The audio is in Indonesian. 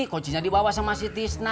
kocinya dibawa sama si tisna